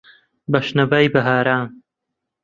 بە شنەبای بەهاران